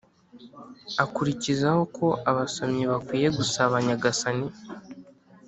akurikizaho ko abasomyi bakwiye gusaba nyagasani